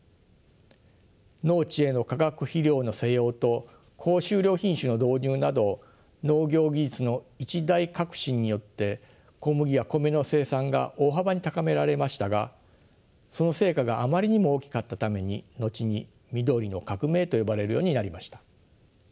農地への化学肥料の施用と高収量品種の導入など農業技術の一大革新によって小麦や米の生産が大幅に高められましたがその成果があまりにも大きかったために後に緑の革命と呼ばれるようになりました。